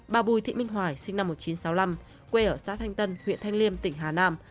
bà bùi thị minh hoài sinh năm một nghìn chín trăm sáu mươi năm quê ở xã thanh tân huyện thanh liêm tỉnh hà nam